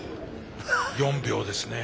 ４秒ですね。